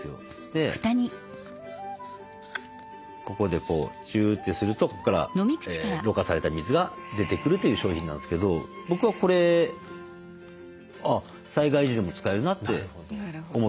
でここでこうチューッてするとここからろ過された水が出てくるという商品なんですけど僕はこれ災害時でも使えるなって思ってますけどね。